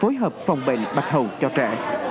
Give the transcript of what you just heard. phối hợp phòng bệnh bạch hầu cho trẻ